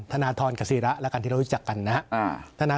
ธนทรกับศิระแล้วกันที่เรารู้จักกันนะครับ